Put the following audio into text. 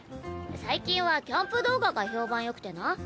最近はキャンプ動画が評判よくてな。